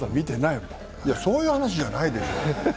いや、そういう話じゃないでしょう。